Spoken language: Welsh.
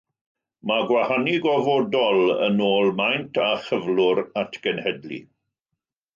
Mae gwahanu gofodol yn ôl maint a chyflwr atgenhedlu.